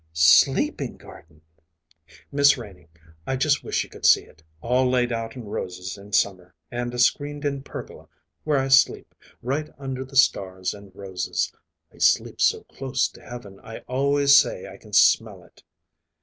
"Sleeping garden!" "Miss Renie, I just wish you could see it all laid out in roses in summer, and a screened in pergola, where I sleep, right underneath the stars and roses. I sleep so close to heaven I always say I can smell it."